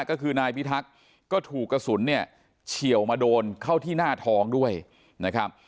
ก็คือนายพิทักษ์ก็ถูกกระสุนเนี่ยเฉียวมาโดนเข้าที่หน้าท้องด้วยนะครับ